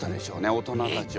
大人たちは。